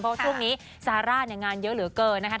เพราะช่วงนี้ซาร่าเนี่ยงานเยอะเหลือเกินนะครับ